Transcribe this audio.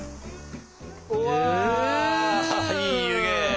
うわいい湯気！